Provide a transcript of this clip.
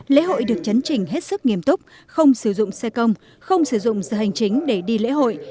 lễ hội được chấn chỉnh hết sức nghiêm túc không sử dụng xe công không sử dụng giờ hành chính để đi lễ hội